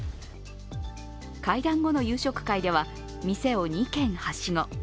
会談後の夕食会では店を２軒はしご。